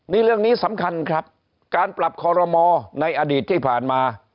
นี่เรื่องนี้สำคัญครับการปรับคอรมอในอดีตที่ผ่านมา